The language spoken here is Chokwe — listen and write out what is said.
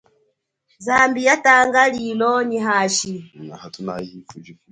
Zambi yatanga lilo nyi hashi.